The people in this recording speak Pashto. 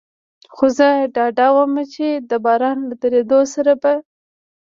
خو زه ډاډه ووم، چې د باران له درېدو سره به.